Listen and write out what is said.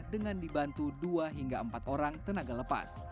dengan dibantu dua hingga empat orang tenaga lepas